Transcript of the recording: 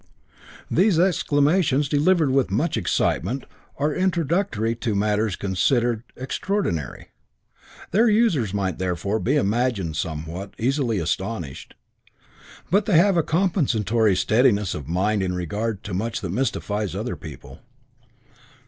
These exclamations, delivered with much excitement, are introductory to matters considered extraordinary. Their users might therefore be imagined somewhat easily astonished. But they have a compensatory steadiness of mind in regard to much that mystifies other people.